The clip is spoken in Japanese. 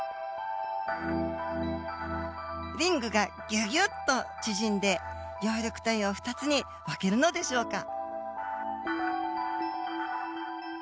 リングがぎゅぎゅっと縮んで葉緑体を２つに分けるのでしょうか。